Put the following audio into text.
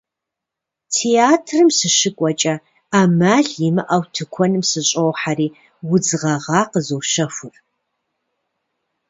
Театрым сыщыкӏуэкӏэ ӏэмал имыӏэу тыкуэным сыщӏохьэри, удз гъэгъа къызощэхур.